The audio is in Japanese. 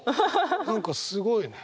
何かすごいね。